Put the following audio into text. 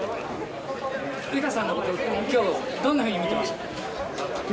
詩さんのほう今日、どんなふうに見てました？